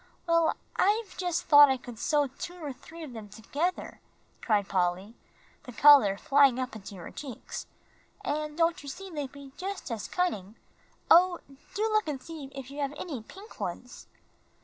"Well, I've just thought I could sew two or three of them together," cried Polly, the color flying up into her cheeks, "and don't you see, they'd be just as cunning. Oh, do look and see if you have any pink ones."